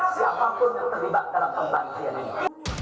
tanpa kejar siapapun yang terlibat dalam pembantian ini